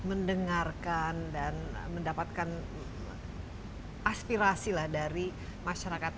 mendengarkan dan mendapatkan aspirasi lah dari masyarakat